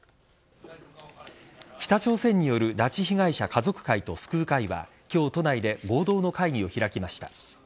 北朝鮮による拉致被害者家族会と救う会は今日、都内で合同の会議を開きました。